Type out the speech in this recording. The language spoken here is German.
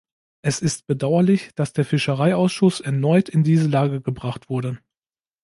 Es ist bedauerlich, dass der Fischereiausschuss erneut in diese Lage gebracht wurde.